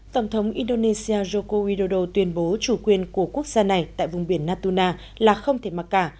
tổng thống indonesia joko widodo tuyên bố chủ quyền của quốc gia này tại vùng biển natuna là không thể mặc cả